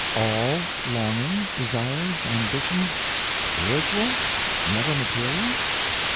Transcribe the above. _All _longings, desires, ambitions _spiritual, _never material?